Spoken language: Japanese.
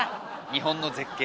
日本の絶景。